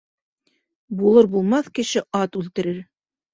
Булыр-булмаҫ кеше ат үлтерер.